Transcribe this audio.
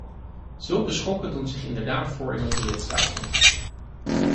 Zulke schokken doen zich inderdaad voor in onze lidstaten.